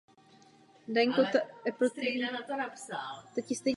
Jeho synovcem je hokejový obránce Cam Lee.